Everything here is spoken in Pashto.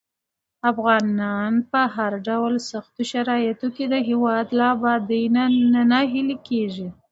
افغانان په هر ډول سختو شرايطو کې د هېواد له ابادۍ نه ناهیلي کېږي.